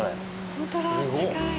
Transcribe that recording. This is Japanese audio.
本当だ近い。